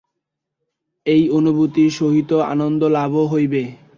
এই অনুভূতির সহিত আনন্দলাভও হইবে।